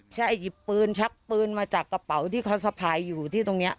ใช่หยิบปืนชักปืนมาจากกระเป๋าที่เขาสะพายอยู่ที่ตรงนี้